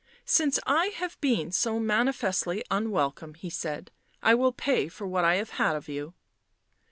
" Since I have been so manifestly unwelcome," he said, " I will pay for what I have had of you."